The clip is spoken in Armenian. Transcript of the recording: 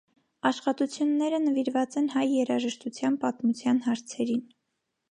Աշխատությունները նվիրված են հայ երաժշտության պատմության հարցերին։